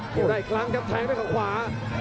ได้อีกครั้งครับแทงด้วยข้างขวา